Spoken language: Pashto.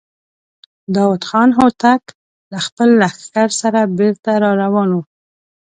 داوود خان هوتک له خپل لښکر سره بېرته را روان و.